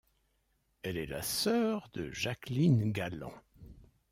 Elle est la sœur de Jacqueline Galant.